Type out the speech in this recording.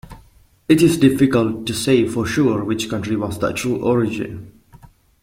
It is difficult to say for sure which country was the true origin.